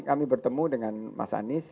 kami bertemu dengan mas anies